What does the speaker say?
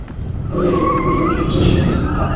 এগুলি আমাদের প্রয়োজন অনুযায়ী সিদ্ধান্ত নেওয়া হয়।